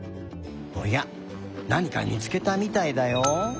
おやなにかみつけたみたいだよ。